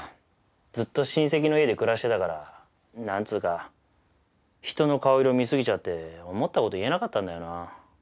ずっと親戚の家で暮らしてたからなんつーか人の顔色見すぎちゃって思った事言えなかったんだよな。